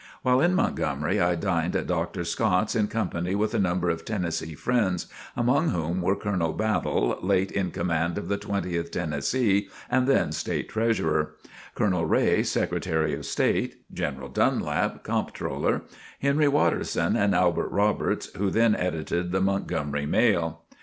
While in Montgomery I dined at Dr. Scott's in company with a number of Tennessee friends, among whom were Colonel Battle, late in command of the Twentieth Tennessee, and then State Treasurer; Colonel Ray, Secretary of State; General Dunlap, Comptroller; Henry Watterson, and Albert Roberts who then edited the Montgomery Mail.